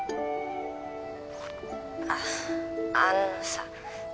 ☎あっあのさ